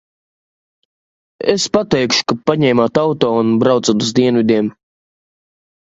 Es pateikšu, ka paņēmāt auto un braucat uz dienvidiem.